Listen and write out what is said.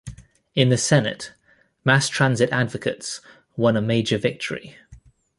In the Senate, mass transit advocates won a major victory.